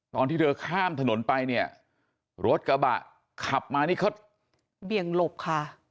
ตอนที่เธอข้ามถนนไปเนี่ยรถกระบะขับมานี่เขาเบี่ยงหลบค่ะ